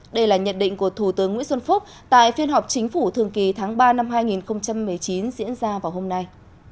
đây là nhận định của thủ tướng nguyễn xuân phúc tại phiên họp chính phủ thường kỳ tháng ba năm hai nghìn một mươi chín diễn ra vào hôm nay